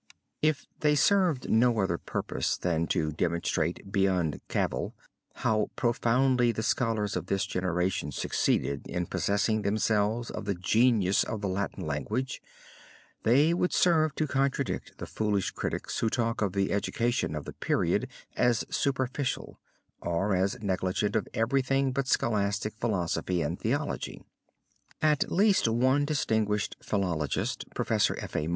If they served no other purpose than to demonstrate beyond cavil how profoundly the scholars of this generation succeeded in possessing themselves of the genius of the Latin language, they would serve to contradict the foolish critics who talk of the education of the period as superficial, or as negligent of everything but scholastic philosophy and theology. At least one distinguished philologist, Professor F. A.